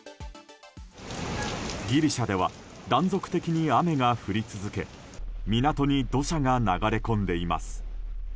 ギリシャでは断続的に雨が降り続け港に土砂が流れ込んでいます。